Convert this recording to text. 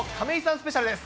スペシャルです。